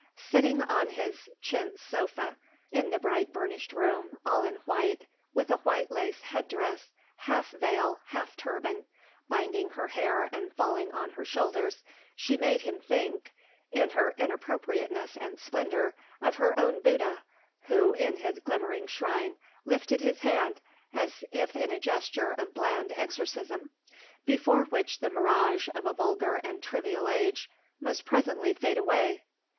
Seated on his chintz sofa in the bright, burnished room, all in white, with a white lace head dress, half veil, half turban, binding her hair and falling on her shoulders, she made him think, in her inappropriateness and splendour, of her own Bouddha, who, in his glimmering shrine, lifted his hand as if in a gesture of bland exorcism before which the mirage of a vulgar and trivial age must presently fade away.